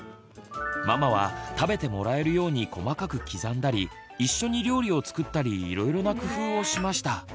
ママは食べてもらえるように細かく刻んだり一緒に料理を作ったりいろいろな工夫をしました。